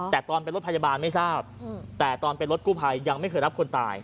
แต่ตอนเป็นรถพยาบาลไม่ทราบแต่ตอนเป็นรถกู้ภัยยังไม่เคยรับคนตาย